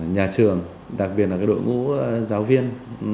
nhà trường đặc biệt là đội ngũ giáo viên